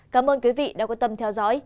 cảm ơn quý vị đã quan tâm theo dõi